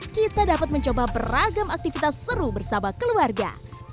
kita dapat mencoba beragam aktivitas seru bersama keluarga